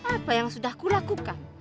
apa yang sudah kulakukan